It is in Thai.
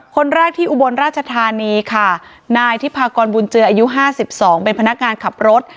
คนแรกที่อุบลราชธานีค่ะนายทิพากรบุญเจืออายุ๕๒เป็นพนักงานขับรถ